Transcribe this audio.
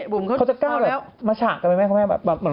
บุ๋มเขาจะก้าวแหละมาฉากกันใหม่